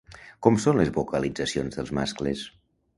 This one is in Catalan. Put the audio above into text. Com són les vocalitzacions dels mascles?